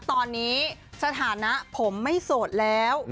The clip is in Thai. ตอนนี้สถานะผมไม่โสดแล้ว